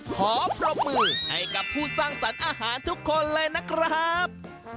ขอปรบมือให้กับผู้สร้างสรรค์อาหารทุกคนเลยนะครับ